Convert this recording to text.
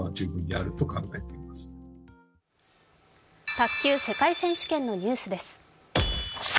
卓球・世界選手権のニュースです。